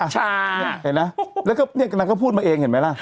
ชาเห็นนะแล้วก็นางก็พูดมาเองเห็นไหมล่ะ